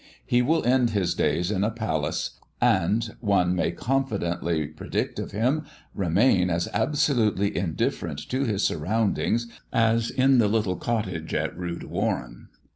He will end his days in a palace, and, one may confidently predict of him, remain as absolutely indifferent to his surroundings as in the little cottage at Rood Warren.